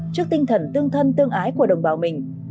trước tinh thần tương thân tương ái của đồng bào mình